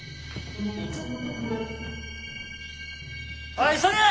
おい急げ！